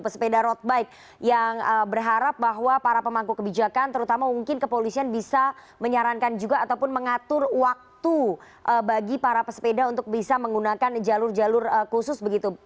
pesepeda road bike yang berharap bahwa para pemangku kebijakan terutama mungkin kepolisian bisa menyarankan juga ataupun mengatur waktu bagi para pesepeda untuk bisa menggunakan jalur jalur khusus begitu